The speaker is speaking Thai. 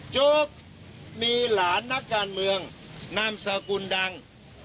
โจ๊กมีหลานนักการเมืองนามสกุลดัง